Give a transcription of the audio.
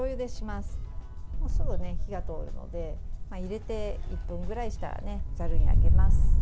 すぐ火が通るので入れて１分ぐらいしたらざるに上げます。